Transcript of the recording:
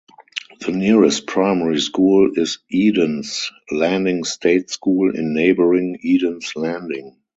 The nearest primary school is Edens Landing State School in neighbouring Edens Landing.